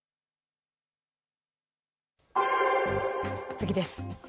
次です。